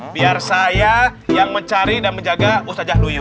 biar saya yang mencari dan menjaga ustadz jahduiyu